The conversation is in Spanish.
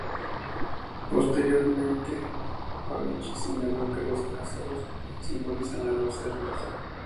Posteriormente Pavić señaló que los jázaros simbolizaban a los serbios.